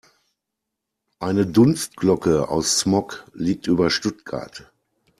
Eine Dunstglocke aus Smog liegt über Stuttgart.